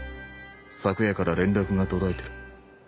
昨夜から連絡が途絶えてる。